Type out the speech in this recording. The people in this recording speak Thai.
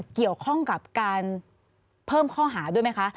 เกี่ยวข้องกับการเพิ่มข้อหาด้วยไหมคะ